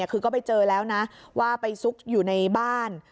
คือก็ไปเจอแล้วนะว่าไปซุกอยู่ในบ้าน